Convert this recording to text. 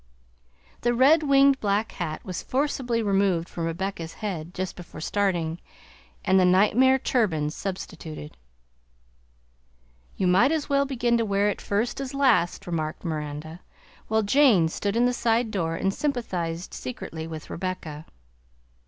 The red winged black hat was forcibly removed from Rebecca's head just before starting, and the nightmare turban substituted. "You might as well begin to wear it first as last," remarked Miranda, while Jane stood in the side door and sympathized secretly with Rebecca.